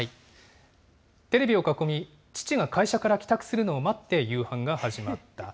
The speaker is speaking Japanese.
テレビを囲み、父が会社から帰宅するのを待って夕飯が始まった。